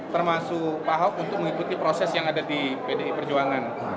termasuk pak ahok untuk mengikuti proses yang ada di pdi perjuangan